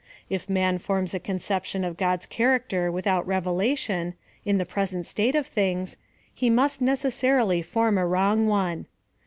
If man forms a conception of God's character without re /elation, in the present state of things, he must necessarily form a wrong one.